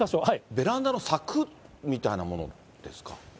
ベランダの柵みたいなものですか？